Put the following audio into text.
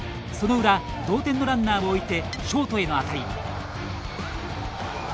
その裏、同点のランナーを置いてショートへの当たり。